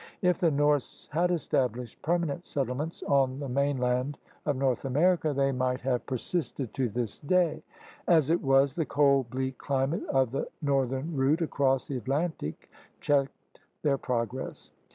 If the Norse had established permanent settlements on the mainland of North America, they might have 30 THE RED MAN'S CONTINENT persisted to this day. As it was, the cold, bleak climate of the northern route across the Atlantic checked their progress.